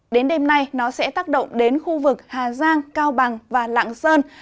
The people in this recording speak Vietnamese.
đến đêm nay nó sẽ tác động đến khu vực hà giang cao bằng và lạng sơn